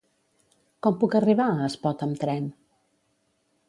Com puc arribar a Espot amb tren?